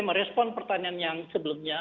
merespon pertanyaan yang sebelumnya